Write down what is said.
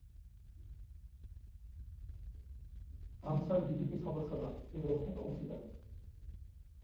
আনসার-ভিডিপি সদস্যরা এ ব্যাংকের অংশীদার।